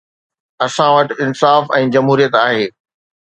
اسان وٽ انصاف ۽ جمهوريت آهي.